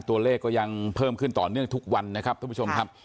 ก็ยังเพิ่มขึ้นต่อเนื่องทุกวันนะครับท่านผู้ชมครับ